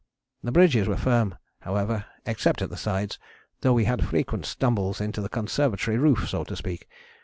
The bridges were firm, however, except at the sides, though we had frequent stumbles into the conservatory roof, so to speak.